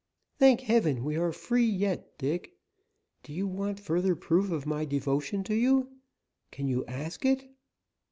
Thank heaven, we are free yet, Dick. Do you want further proof of my devotion to you? Can you ask it?"